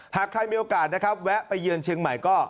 หากใครมีโอกาสนะครับแวะไปเยือนเชียงใหม่ก็